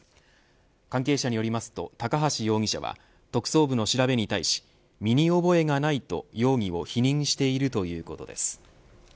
関係者によりますと高橋容疑者は特捜部の調べに対し身に覚えがないと容疑を否認しているということです。